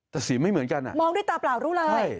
แต่สีไม่เหมือนกันมองด้วยตาเปล่ารู้เลย